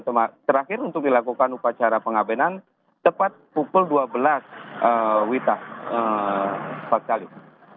terakhir untuk dilakukan upacara pengabenan tepat pukul dua belas witah empat kali